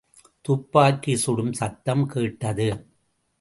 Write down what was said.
துப்பாக்கிச் சுடும் சத்தம் கேட்டது.